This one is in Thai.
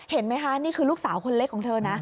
เห็นไหมคะนี่คือลูกสาวคนเล็กของเธอนะ